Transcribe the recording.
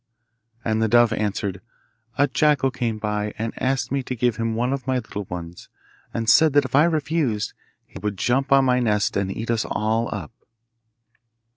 And the dove answered, 'A jackal came by, and asked me to give him one of my little ones, and said that if I refused he would jump on my nest and eat us all up.